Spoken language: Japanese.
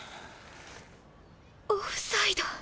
オフサイド。